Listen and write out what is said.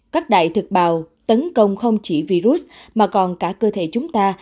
các đại thực bào tấn công không chỉ virus mà còn cả cơ thể chúng ta